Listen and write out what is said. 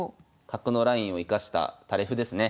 角のラインを生かした垂れ歩ですね。